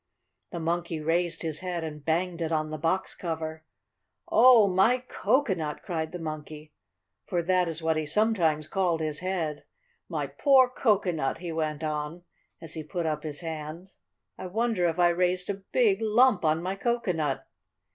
The Monkey raised his head and banged it on the box cover. "Oh, my cocoanut!" cried the Monkey, for that is what he sometimes called his head. "My poor cocoanut!" he went on, as he put up his hand. "I wonder if I raised a big lump on my cocoanut!"